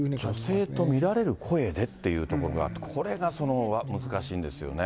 女性と見られる声でっていうところが、これが難しいんですよね。